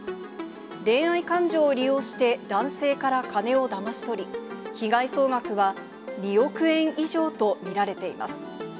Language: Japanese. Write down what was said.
恋愛感情を利用して、男性から金をだまし取り、被害総額は２億円以上と見られています。